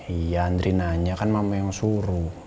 iya andri nanya kan mama yang suruh